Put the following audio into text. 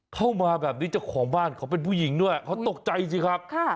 เข้ามาแบบนี้เจ้าของบ้านเขาเป็นผู้หญิงด้วยเขาตกใจสิครับ